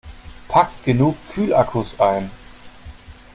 Packt genug Kühlakkus ein!